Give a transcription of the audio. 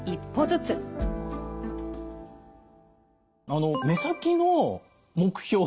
あの「目先の目標」って。